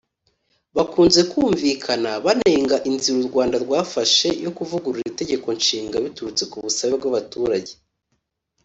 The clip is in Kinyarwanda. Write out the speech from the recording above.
Bakunze kumvikana banenga inzira u Rwanda rwafashe yo kuvugurura Itegeko Nshinga biturutse ku busabe bw’abaturage